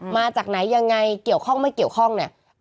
มาจากไหนยังไงเกี่ยวข้องไม่เกี่ยวข้องเนี่ย